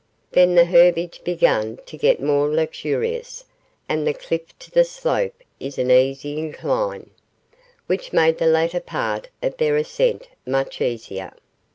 Then the herbage began to get more luxurious, and the cliff to slope in an easy incline, which made the latter part of their ascent much easier.